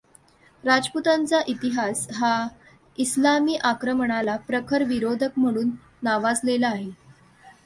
राजपुतांचा इतिहास हा इस्लामी आक्रमणाला प्रखर विरोधक म्हणून नावाजलेला आहे.